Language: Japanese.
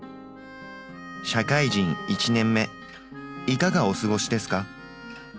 社会人１年目いかがおすごしですか？